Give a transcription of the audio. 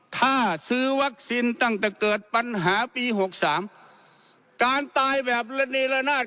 ถ้าซื้อวัคซีนตั้งแต่เกิดปัญหาปีหกสามการตายแบบระเนรนาศ